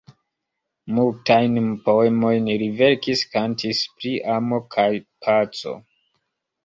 Multajn poemojn li verkis, kantis pri amo kaj paco.